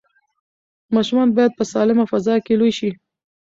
ماشومان باید په سالمه فضا کې لوی شي.